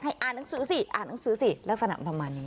อ่านหนังสือสิอ่านหนังสือสิลักษณะประมาณนี้